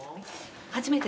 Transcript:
初めて。